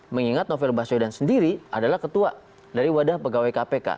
mengingat novel baswedan sendiri adalah ketua dari wadah pegawai kpk